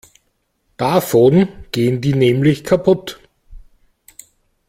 Davon gehen die nämlich kaputt.